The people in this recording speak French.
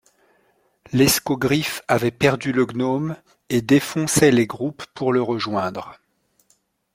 L'escogriffe avait perdu le gnome, et défonçait les groupes pour le rejoindre.